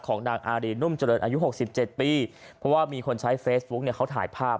นางอารีนุ่มเจริญอายุ๖๗ปีเพราะว่ามีคนใช้เฟซบุ๊กเนี่ยเขาถ่ายภาพ